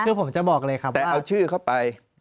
คือผมจะบอกเลยครับแต่เอาชื่อเข้าไป